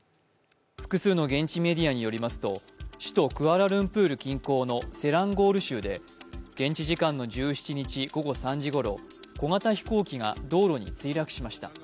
複数の現地メディアによりますと首都クアラルンプール近郊のセランゴール州で現地時間の１７日午後３じごろ小型飛行機が道路に墜落しました。